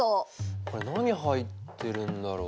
これ何入ってるんだろう？